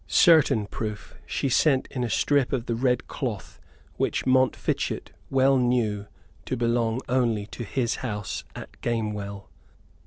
Certain proof she sent in a strip of the red cloth which Montfichet well knew to belong only to his house at Gamewell.